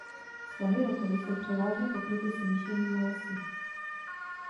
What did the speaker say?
Svahy rokle jsou převážně pokryty smíšenými lesy.